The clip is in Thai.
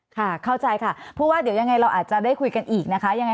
ค่ะเข้าใจค่ะเพราะว่ายังไงเราอาจจะได้คุยกันอีกนะคะ